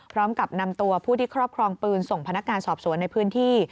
พร้อมกับนำตัวผู้ที่ครอบครองปืนส่งพนักงานสอบสวนในพื้นที่